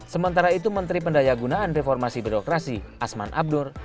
sementara itu menteri pendayagunaan reformasi birokrasi asman abnur